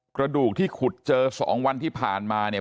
กระดูกที่ขุดเจอ๒วันที่ผ่านมาเนี่ย